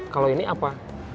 kalau ini apa